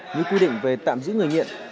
như quy định về tạm giữ người nghiện